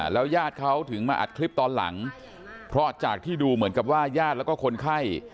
แล้วญาติเขาถึงมาอัดคลิปตอนหลังเพราะจากที่ดูเหมือนกับว่าญาติแล้วก็คนไข้